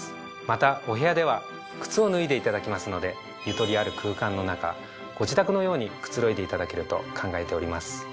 またお部屋では靴を脱いでいただきますのでゆとりある空間の中ご自宅のようにくつろいでいただけると考えております。